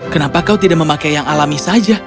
kenapa kau tidak memakai yang alami saja